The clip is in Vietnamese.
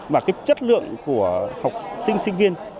và chất lượng của học sinh sinh viên